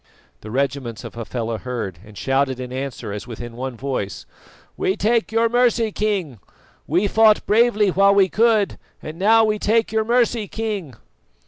The regiments of Hafela heard, and shouted in answer as with one voice: "We take your mercy, King! We fought bravely while we could, and now we take your mercy, King!"